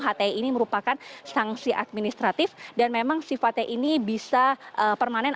hti ini merupakan sanksi administratif dan memang sifatnya ini bisa permanen